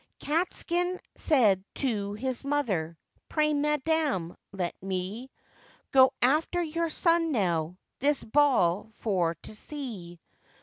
Catskin said to his mother, 'Pray, madam, let me Go after your son now, this ball for to see.